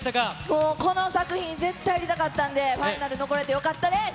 もうこの作品、絶対やりたかったんで、ファイナルに残れてよかったです。